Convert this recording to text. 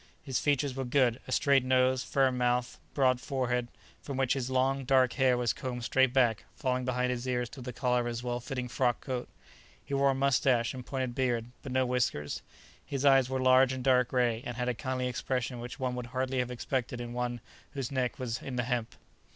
His features were good—a straight nose, firm mouth, broad forehead, from which his long, dark hair was combed straight back, falling behind his ears to the collar of his well fitting frock coat. He wore a moustache and pointed beard, but no whiskers; his eyes were large and dark gray, and had a kindly expression which one would hardly have expected in one whose neck was in the hemp.